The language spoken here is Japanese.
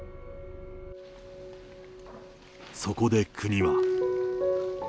そこで国は。